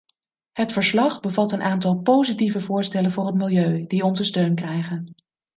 Het verslag bevat een aantal positieve voorstellen voor het milieu, die onze steun krijgen.